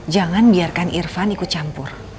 jangan biarkan irfan ikut campur